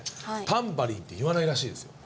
タンバリンって言わないらしいですよ。